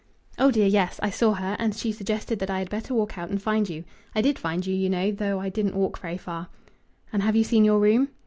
"Oh dear, yes. I saw her, and she suggested that I had better walk out and find you. I did find you, you know, though I didn't walk very far." "And have you seen your room?"